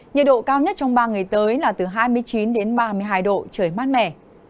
nhiệt độ cao nhất trong ba ngày tới là từ hai mươi chín đến ba mươi hai độ trời mát mẻ